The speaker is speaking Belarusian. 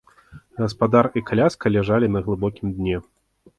Гаспадар і каляска ляжалі на глыбокім дне.